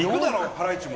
ハライチも。